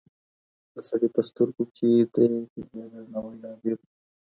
د سړي په سترګو کې د هغې درناوی لا ډېر شو.